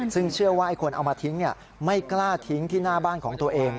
ซึ่งเชื่อว่าไอ้คนเอามาทิ้งไม่กล้าทิ้งที่หน้าบ้านของตัวเอง